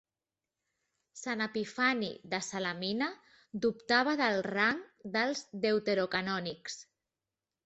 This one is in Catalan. Sant Epifani de Salamina dubtava del rang dels deuterocanònics.